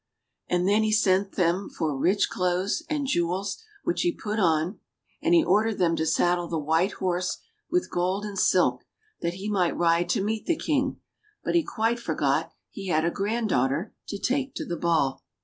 And then he sent them for rich clothes, and jewels, which he put on ; and he ordered them to saddle the white horse, with gold and silk, that he might ride to meet the King ; but he quite forgot he had a granddaughter to take to the ball.